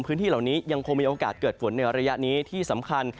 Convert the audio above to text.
พื้นที่เหล่านี้ยังคงมีโอกาสเกิดฝนในระยะนี้ที่สำคัญ